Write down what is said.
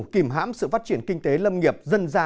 kìm hãm sự phát triển kinh tế lâm nghiệp dần già